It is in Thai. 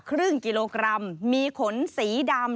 ครึ่งกิโลกรัมมีขนสีดำ